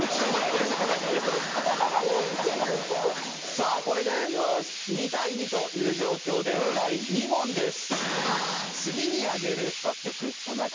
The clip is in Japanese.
さあこれで２対２という状況で第２問です。